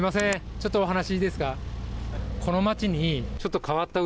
ちょっとお話いいですか？